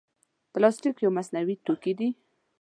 پلاستيک یو مصنوعي توکي دی.